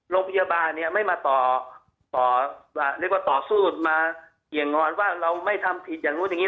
โรงพยาบาลเนี่ยไม่มาต่อเรียกว่าต่อสู้มาเกี่ยงงอนว่าเราไม่ทำผิดอย่างนู้นอย่างนี้